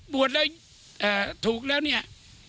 บวชถูกแล้วเนี่ย